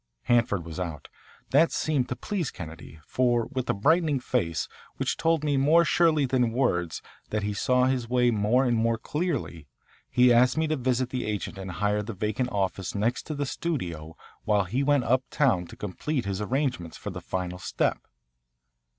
Hanford was out. That seemed to please Kennedy, for with a brightening face, which told more surely than words that he saw his way more and more clearly, he asked me to visit the agent and hire the vacant office next to the studio while he went uptown to complete his arrangements for the final step.